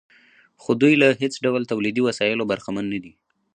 خو دوی له هېڅ ډول تولیدي وسایلو برخمن نه دي